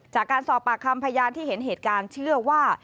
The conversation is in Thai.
จากการสอบปากคำพยานที่เห็นเหตุการณ์เชื่อว่า